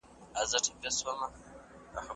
ليکل مهم دي.